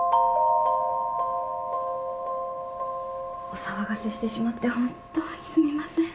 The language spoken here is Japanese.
お騒がせしてしまって本っ当にすみません。